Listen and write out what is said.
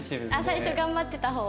最初頑張ってた方？